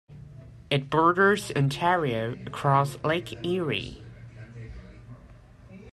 It borders Ontario across Lake Erie.